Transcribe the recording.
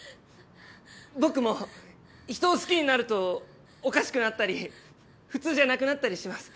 僕も人を好きになるとおかしくなったり普通じゃなくなったりします。